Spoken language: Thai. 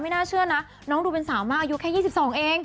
น่าเชื่อนะน้องดูเป็นสาวมากอายุแค่๒๒เอง